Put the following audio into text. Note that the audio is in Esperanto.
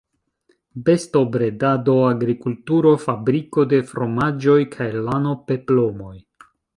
Bestobredado, agrikulturo, fabriko de fromaĝoj kaj lano-peplomoj.